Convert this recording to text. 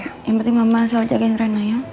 yang penting mama selalu jagain rena ya